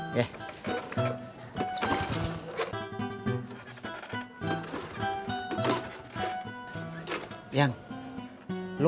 kayaknya udah tau dulu